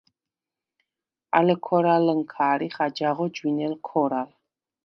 ალე ქორალჷნქა არიხ აჯაღ ჯვინელ ქორალ.